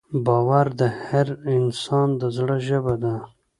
باور د هر انسان د زړه ژبه ده.